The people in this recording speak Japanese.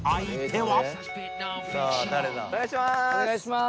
お願いします！